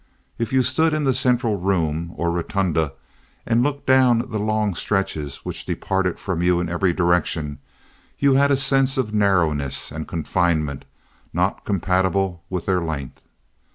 If you stood in the central room, or rotunda, and looked down the long stretches which departed from you in every direction, you had a sense of narrowness and confinement not compatible with their length.